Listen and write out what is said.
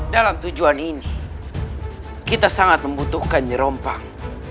dalam tujuan ini kita sangat membutuhkan nyerompang